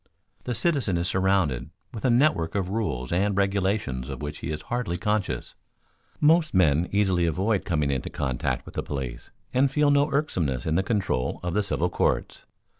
The citizen is surrounded with a network of rules and regulations of which he is hardly conscious. Most men easily avoid coming into contact with the police and feel no irksomeness in the control of the civil courts.